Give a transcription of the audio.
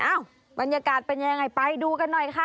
อ้าวบรรยากาศเป็นอย่างไรไปดูกันหน่อยค่ะ